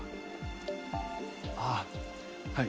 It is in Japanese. ああはい。